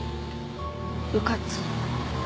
うかつ。